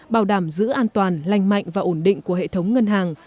bảo đảm giữ an toàn lành mạnh và ổn định của hệ thống ngân hàng